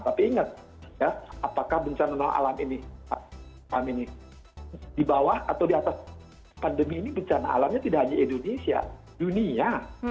tapi ingat ya apakah bencana non alam ini di bawah atau di atas pandemi ini bencana alamnya tidak hanya indonesia dunia